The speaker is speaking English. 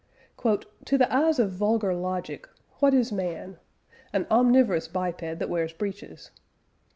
"To the eye of vulgar Logic what is man? An omnivorous biped that wears breeches.